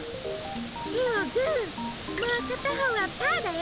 てをグーもうかたほうはパーだよ。